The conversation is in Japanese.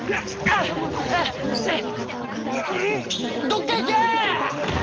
どっか行け！